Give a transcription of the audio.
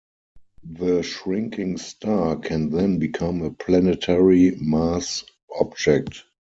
The shrinking star can then become a planetary-mass object.